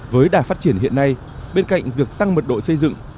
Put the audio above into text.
với đà phát triển hiện nay bên cạnh việc tăng mật độ xây dựng